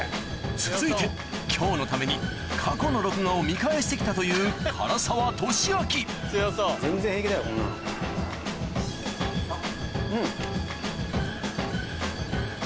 続いて今日のために過去の録画を見返して来たといううん。